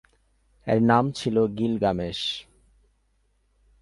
এর নাম ছিল গিলগামেশ।